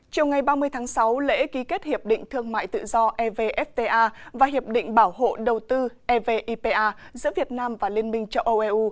chiều ngày ba mươi tháng sáu lễ ký kết hiệp định thương mại tự do evfta và hiệp định bảo hộ đầu tư evipa giữa việt nam và liên minh châu âu eu